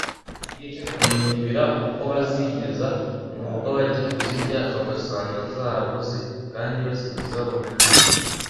binubira ko bazigeza mu rugo bajya kuzirya bagasanga zaraboze kandi baziguze babona ari nzima